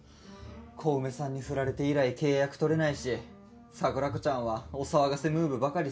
小梅さんに振られて以来契約取れないし桜子ちゃんはお騒がせムーブばかりするし。